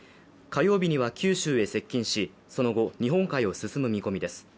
火曜日には九州へ接近しその後日本海へ進む見込みです。